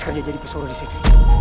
kerja jadi pesuru disini